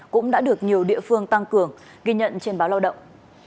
cũng đã được nhiều địa phương tăng cường ghi nhận trên báo lao động